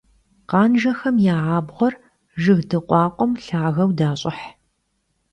Khanjjexem ya abğuer jjıg dıkhuakhuem lhageu daş'ıh.